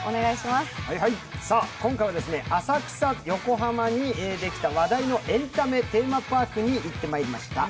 今回は浅草、横浜にできた話題のエンタメテーマパークに行ってきました。